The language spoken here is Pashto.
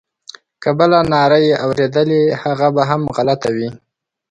که بله ناره یې اورېدلې هغه به هم غلطه وي.